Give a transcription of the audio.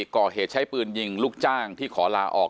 ก่อเหตุใช้ปืนยิงลูกจ้างที่ขอลาออก